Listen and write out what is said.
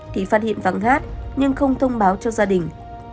thì phát hiện vắng gát nhưng không thông báo cho gia đình